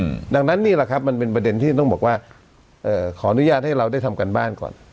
อืมดังนั้นนี่แหละครับมันเป็นประเด็นที่ต้องบอกว่าเอ่อขออนุญาตให้เราได้ทำการบ้านก่อน